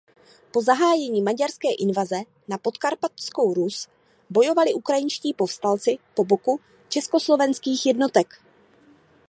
Po zahájení maďarské invaze na Podkarpatskou Rus bojovali ukrajinští povstalci po boku československých jednotek.